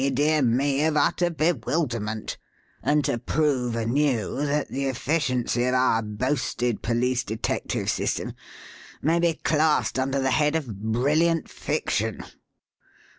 dear me!" of utter bewilderment; and to prove anew that the efficiency of our boasted police detective system may be classed under the head of "Brilliant Fiction."